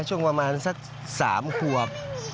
ช่วงประมาณสัก๓ขวบ